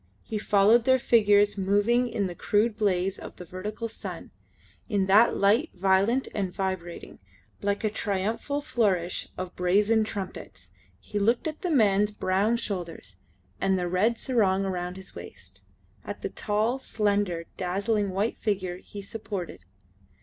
He followed their figures moving in the crude blaze of the vertical sun, in that light violent and vibrating, like a triumphal flourish of brazen trumpets. He looked at the man's brown shoulders, at the red sarong round his waist; at the tall, slender, dazzling white figure he supported.